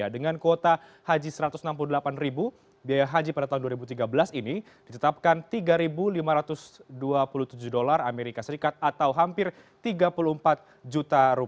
dengan kuota haji rp satu ratus enam puluh delapan biaya haji pada tahun dua ribu tiga belas ini ditetapkan rp tiga lima ratus dua puluh tujuh dolar as atau hampir rp tiga puluh empat juta